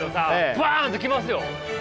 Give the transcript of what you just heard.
バンと来ますよ。